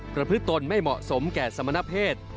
ประพฤติตนไม่เหมาะสมแก่สมณเพศ